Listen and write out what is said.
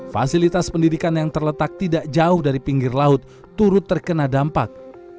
fasilitas pendidikan yang terletak tidak jauh dari pinggir laut turut terkena dampak